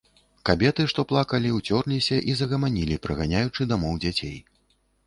Кабеты, што плакалі, уцерліся і загаманілі, праганяючы дамоў дзяцей.